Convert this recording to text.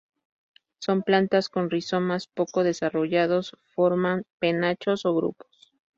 Son plantas con rizomas poco desarrollados, forman penachos o grupos.